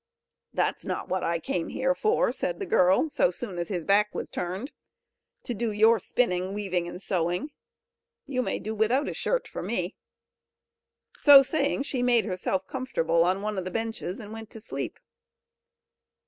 "That's not what I came here for," said the girl, so soon as his back was turned, "to do your spinning, weaving, and sewing! You may do without a shirt for me!" So saying, she made herself comfortable on one of the benches, and went to sleep.